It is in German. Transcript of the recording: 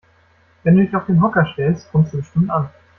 Wenn du dich auf den Hocker stellst, kommst du bestimmt an.